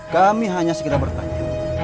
kami hanya sekiranya bertanya